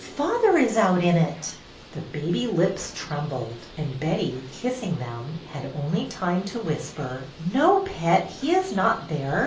'' Father is out in it." The baby lips trembled, and Betty, kissing them, had only time to whisper :'' No, pet, he is not there.